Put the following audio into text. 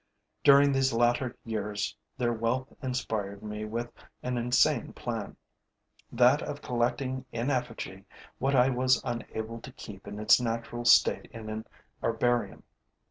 During these latter years, their wealth inspired me with an insane plan: that of collecting in effigy what I was unable to keep in its natural state in an herbarium.